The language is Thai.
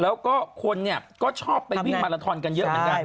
แล้วก็คนเนี่ยก็ชอบไปวิ่งมาลาทอนกันเยอะเหมือนกัน